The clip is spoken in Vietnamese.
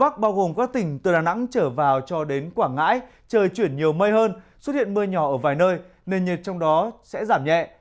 các tỉnh từ đà nẵng trở vào cho đến quảng ngãi trời chuyển nhiều mây hơn xuất hiện mưa nhỏ ở vài nơi nên nhiệt trong đó sẽ giảm nhẹ